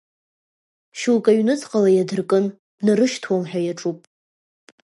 Шьоукы аҩнуҵҟала иадыркын, днарышьҭуам ҳәа иаҿуп.